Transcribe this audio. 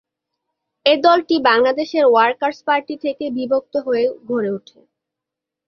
এই দলটি বাংলাদেশের ওয়ার্কার্স পার্টি থেকে বিভক্ত হয়ে গড়ে ওঠে।